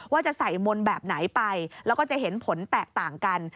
ว่าจะใส่มนต์แบบไหนไปแล้วก็จะเห็นผลแตกต่างกัน